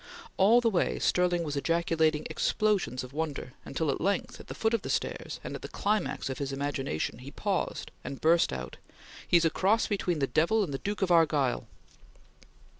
All the way, Stirling was ejaculating explosions of wonder, until at length, at the foot of the stairs and at the climax of his imagination, he paused, and burst out: "He's a cross between the devil and the Duke of Argyll!"